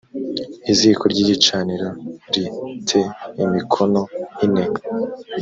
iziko ry igicaniro ri te imikono ine